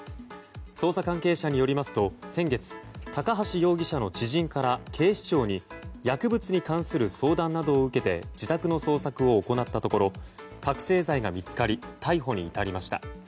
捜査関係者によりますと先月高橋容疑者の知人から、警視庁に薬物に関する相談などを受けて自宅の捜索を行ったところ覚醒剤が見つかり逮捕に至りました。